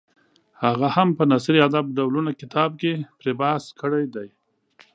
هغه هم په نثري ادب ډولونه کتاب کې پرې بحث کړی دی.